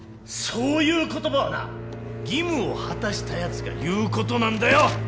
そういう言葉はな義務を果たしたヤツが言うことなんだよ！